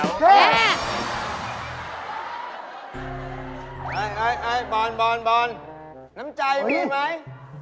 เฮ่ยบอลน้ำจ่ายมีไหม